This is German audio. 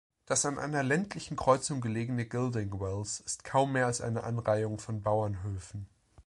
Das an einer ländlichen Kreuzung gelegene Gildingwells ist kaum mehr als eine Anreihung von Bauernhöfen.